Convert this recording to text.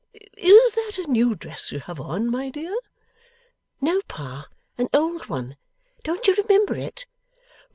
Is that a new dress you have on, my dear?' 'No, Pa, an old one. Don't you remember it?